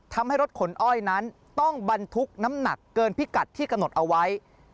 ทำให้รถขนอ้อยนั้นต้องบรรทุกน้ำหนักเกินพิกัดที่กำหนดเอาไว้